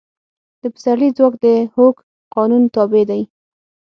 د پسرلي ځواک د هوک قانون تابع دی.